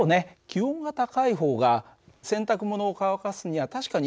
気温が高い方が洗濯物を乾かすには確かにいいよね。